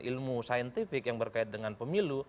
ilmu saintifik yang berkait dengan pemilu